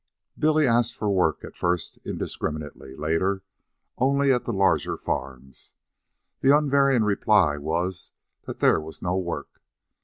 Billy asked for work, at first, indiscriminately, later, only at the larger farms. The unvarying reply was that there was no work.